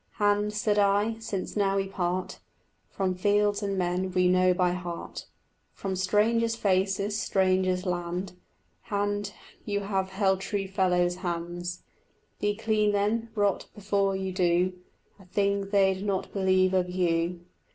Hand, said I, since now we part From fields and men we know by heart, From strangers' faces, strangers' lands, Hand, you have held true fellows' hands. Be clean then; rot before you do A thing they'd not believe of you.